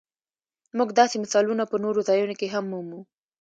موږ داسې مثالونه په نورو ځایونو کې هم مومو.